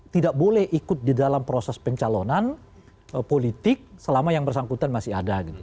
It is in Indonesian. tidak boleh ikut di dalam proses pencalonan politik selama yang bersangkutan masih ada